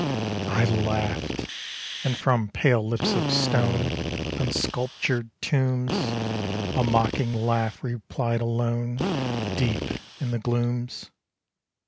_ I laughed; and from pale lips of stone On sculptured tombs A mocking laugh replied alone Deep in the glooms.